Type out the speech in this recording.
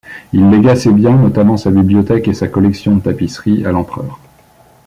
Il légua ses biens, notamment sa bibliothèque et sa collection de tapisseries, à l'empereur.